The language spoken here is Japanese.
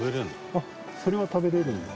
あっそれは食べられるんだ。